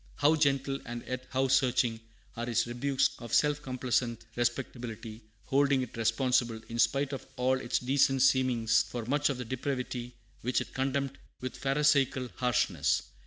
How gentle, and yet how searching, are his rebukes of self complacent respectability, holding it responsible, in spite of all its decent seemings, for much of the depravity which it condemned with Pharisaical harshness!